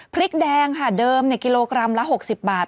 พริกแดงค่ะเดิมกิโลกรัมละ๖๐บาท